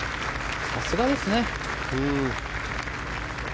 さすがですね。